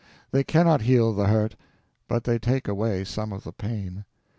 They cannot heal the hurt, but they take away some of the pain.